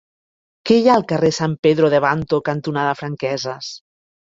Què hi ha al carrer San Pedro de Abanto cantonada Franqueses?